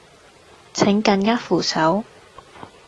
請緊握扶手